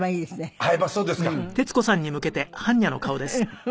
フフフ。